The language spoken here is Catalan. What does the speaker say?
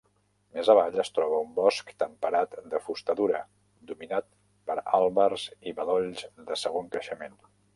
Més avall, es troba un bosc temperat de fusta dura, dominat per àlbers i bedolls de segon creixement.